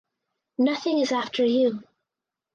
Nothing is after you.